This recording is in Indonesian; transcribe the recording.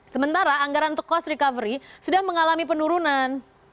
sementara anggaran untuk cost recovery sudah mengalami penurunan